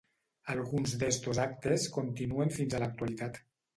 Alguns d'estos actes continuen fins a l'actualitat.